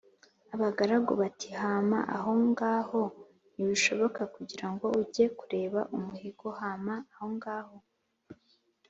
Abagaragu bati: "Hama ahongaho ntibishoboka, kugira ngo ujye kureba umuhigo hama ahongaho